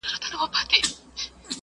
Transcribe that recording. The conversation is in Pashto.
زه اجازه لرم چي ليکنې وکړم